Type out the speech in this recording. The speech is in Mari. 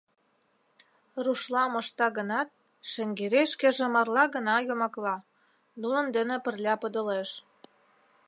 Рушла мошта гынат, Шаҥгерей шкеже марла гына йомакла, нунын дене пырля подылеш.